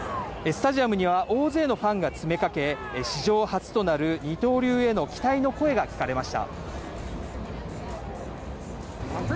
スタジアムには大勢のファンが詰めかけ、史上初となる二刀流への期待の声が聞かれました。